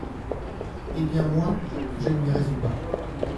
Eh bien moi, je ne m’y résous pas.